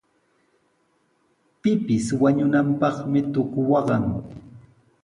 Pipis wañunanpaqmi tuku waqan.